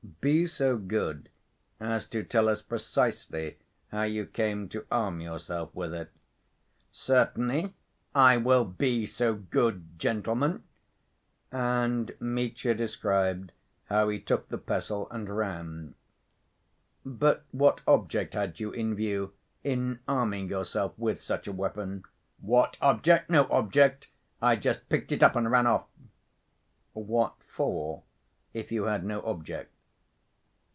"Be so good as to tell us precisely how you came to arm yourself with it." "Certainly I will be so good, gentlemen." And Mitya described how he took the pestle and ran. "But what object had you in view in arming yourself with such a weapon?" "What object? No object. I just picked it up and ran off." "What for, if you had no object?"